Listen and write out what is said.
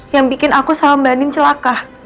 yang bikin aku sama mbak andin celaka